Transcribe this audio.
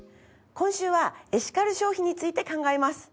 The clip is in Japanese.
今週はエシカル消費について考えます。